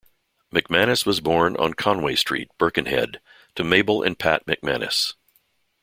MacManus was born on Conway Street, Birkenhead, to Mabel and Pat McManus.